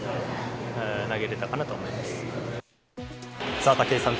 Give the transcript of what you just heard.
さあ、武井さん